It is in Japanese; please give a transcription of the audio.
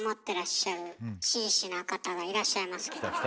てらっしゃる紳士な方がいらっしゃいますけど。